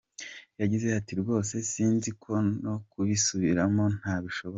Yagize ati “ Rwose sinzi ko no kubisubiramo nabishobora.